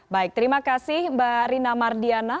baik terima kasih mbak rina mardiana